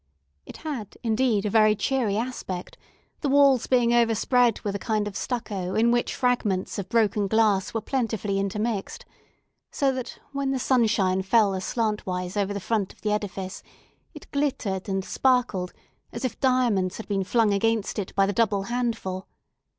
It had, indeed, a very cheery aspect, the walls being overspread with a kind of stucco, in which fragments of broken glass were plentifully intermixed; so that, when the sunshine fell aslant wise over the front of the edifice, it glittered and sparkled as if diamonds had been flung against it by the double handful.